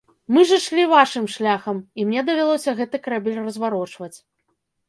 Мы ж ішлі вашым шляхам, і мне давялося гэты карабель разварочваць.